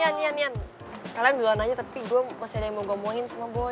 nian kalian duluan aja tapi gue masih ada yang mau ngomongin sama boy